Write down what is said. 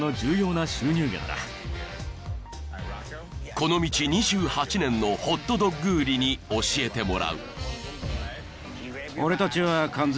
［この道２８年のホットドッグ売りに教えてもらう］